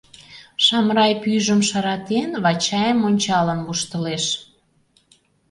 Шамрай, пӱйжым шыратен, Вачайым ончалын воштылеш.